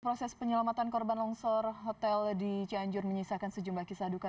proses penyelamatan korban longsor hotel di cianjur menyisakan sejumlah kisah duka